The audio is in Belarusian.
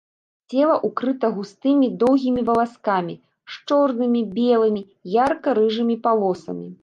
Цела ўкрыта густымі доўгімі валаскамі, з чорнымі, белымі, ярка-рыжымі палосамі.